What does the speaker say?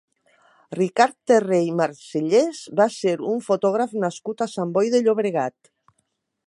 Ricard Terré i Marcellés va ser un fotògraf nascut a Sant Boi de Llobregat.